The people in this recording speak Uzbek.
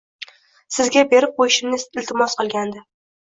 Sizga berib qoʻyishimni iltimos qilgandi.